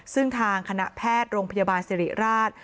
ซึ่งทางคณะแพทย์โรงพยาบาลสิริราช